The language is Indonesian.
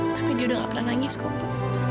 tapi dia udah gak pernah nangis kok bu